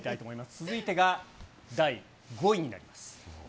続いてが第５位になります。